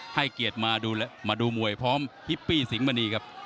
ให้เกียรติมาดูมวยพร้อมฮิปปี้สิงหมณีครับ